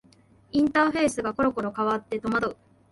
インターフェースがころころ変わって戸惑う